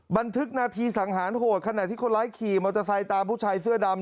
บันทึกนาทีสังหารโหดขณะที่คนร้ายขี่มอเตอร์ไซค์ตามผู้ชายเสื้อดำ